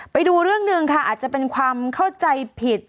ไปดูเรื่องหนึ่งค่ะอาจจะเป็นความเข้าใจผิด